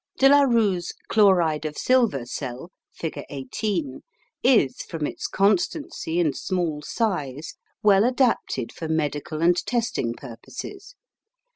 De la Rue's chloride of silver cell (fig. 18) is, from its constancy and small size, well adapted for medical and testing purposes.